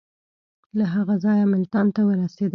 له هغه ځایه ملتان ته ورسېدی.